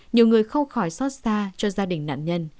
nhiều người không khỏi xót xa cho gia đình nạn nhân